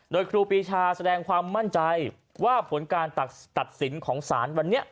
โดยครูปีชาแสดงความมั่นใจว่าผลการตัดสินของศาลวันนี้